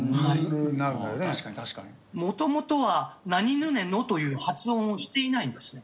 もともとは「なにぬねの」という発音をしていないんですね。